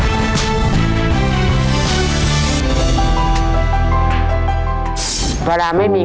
จะทำเวลาไหมครับเนี่ย